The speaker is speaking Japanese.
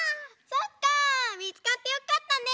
そっかみつかってよかったね！